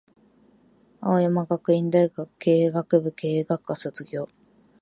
福岡県北九州市小倉北区出身。明治学園中学校・高等学校、北九州予備校（北予備）での浪人を経て、青山学院大学経営学部経営学科卒業